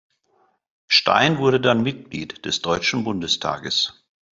Stein wurde dann Mitglied des Deutschen Bundestages.